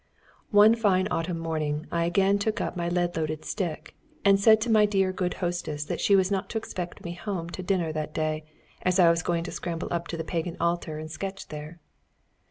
One fine autumn morning I again took up my lead loaded stick, and said to my dear good hostess that she was not to expect me home to dinner that day, as I was going to scramble up to the Pagan Altar and sketch there.